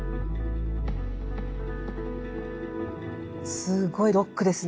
すごいロックですね。